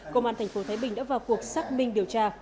công an tp thái bình đã vào cuộc xác minh điều tra